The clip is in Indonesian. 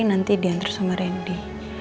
nanti diantar sama randy